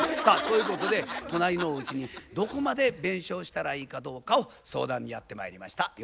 さあそういうことで隣のおうちにどこまで弁償したらいいかどうかを相談にやってまいりました。